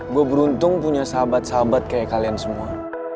gue beruntung punya sahabat sahabat kayak kalian semua